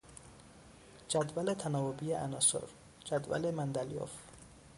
جدول تناوبی عناصر، جدول مندلیف